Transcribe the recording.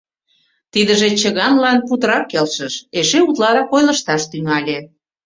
Тидыже чыганлан путырак келшыш, эше утларак ойлышташ тӱҥале.